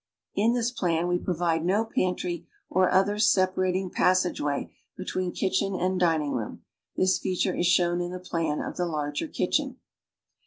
(In this plan we provide no pantry or other separat ing passageway between kitchen and dining " room. This feature is shown in the plan of the larger kitchen.)